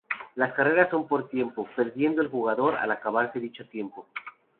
Las carreras son por tiempo, perdiendo el jugador al acabarse dicho tiempo.